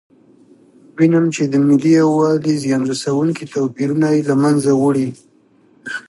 وینم چې د ملي یووالي زیان رسونکي توپیرونه یې له منځه وړي.